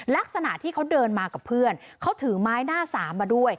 ลักษณะที่เขาเดินมากับเพื่อนเขาถือไม้หน้าสามมาด้วย